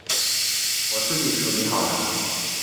我自己处理好了